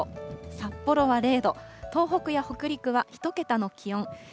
札幌は０度、東北や北陸は１桁の気温。